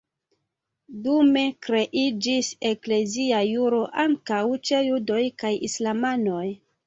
Dume kreiĝis eklezia juro ankaŭ ĉe judoj kaj islamanoj.